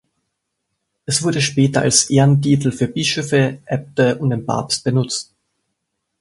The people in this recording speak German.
Es wurde später als Ehrentitel für Bischöfe, Äbte und den Papst benutzt.